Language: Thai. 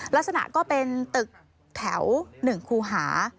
ลักษณะก็เป็นตึกแถว๑คูหา